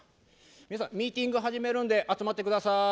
ミーティング始めるんで集まってください。